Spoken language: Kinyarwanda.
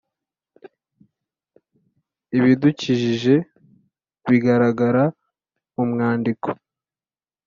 ibidukikije bigaragara mu mwandiko;